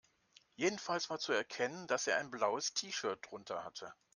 Jedenfalls war zu erkennen, dass er ein blaues T-Shirt drunter hatte.